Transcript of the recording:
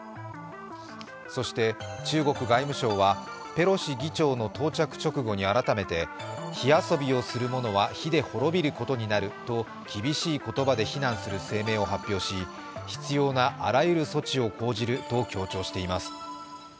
そして中国外務省はペロシ議長の到着直後に改めて火遊びをする者は火で滅びることになると厳しい言葉で非難する声明を発表し、必要なあらゆる措置を講じると強調しています。